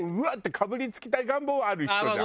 かぶりつきたい願望はある人じゃん？